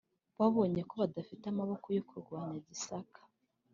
babonye ko badafite amaboko yo kurwanya gisaka,